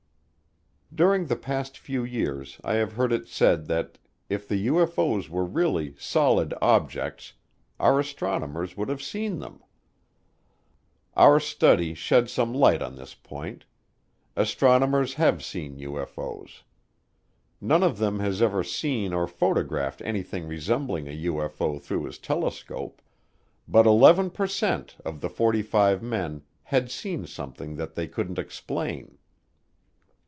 During the past few years I have heard it said that if the UFO's were really "solid objects" our astronomers would have seen them. Our study shed some light on this point astronomers have seen UFO's. None of them has ever seen or photographed anything resembling a UFO through his telescope, but 11 per cent of the forty five men had seen something that they couldn't explain.